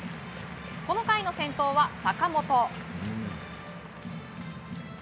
この回の先頭は坂本。